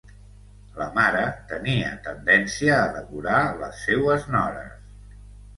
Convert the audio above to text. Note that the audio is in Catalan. La mare tenia tendència a devorar les seues nores!